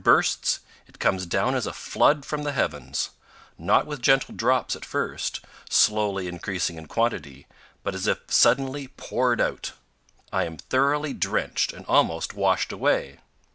223 bursts, it comes down as a flood from the heavens, not with gentle drops at first, slowly increasing in quantity, but as if suddenly poured out. I am thoroughly drenched and almost washed away.